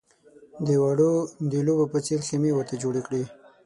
د وړو د لوبو په څېر خېمې ورته جوړې کړې.